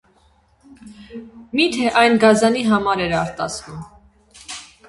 Մի՞թե այն գազանի համար էր արտասվում: